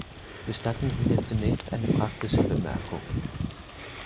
Gestatten Sie mir zunächst eine praktische Bemerkung.